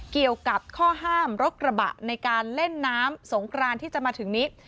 เกี่ยวกับข้อห้ามรถกระบะในการเล่นน้ำสงครานที่จะมาถึงนี้